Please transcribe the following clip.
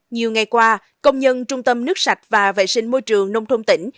nhiều ngày qua công nhân trung tâm nước sạch và vệ sinh môi trường nông thôn tỉnh